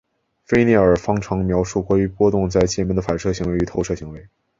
菲涅耳方程描述关于波动在界面的反射行为与透射行为。